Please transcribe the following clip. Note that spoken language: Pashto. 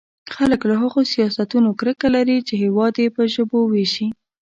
خلک له هغو سیاستونو کرکه لري چې هېواد يې په ژبو وېشي.